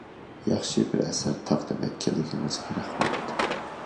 ياخشى بىر ئەسەر تەقدىم ئەتكەنلىكىڭىزگە رەھمەت.